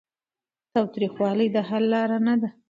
تاوتریخوالی د حل لاره نه ده.